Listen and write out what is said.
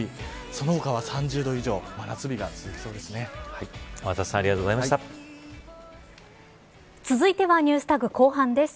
その他は３０度以上真夏日が続きそうです。